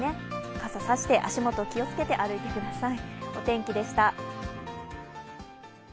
傘差して、足元気をつけて歩いてください。